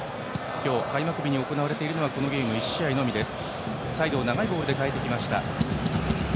今日、開幕日に行われているのはこのゲーム１試合のみです。